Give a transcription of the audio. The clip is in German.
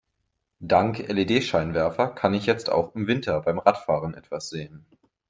Dank LED-Scheinwerfer kann ich jetzt auch im Winter beim Radfahren etwas sehen.